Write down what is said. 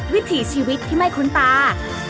วิถีชีวิตที่ไม่คุ้นตา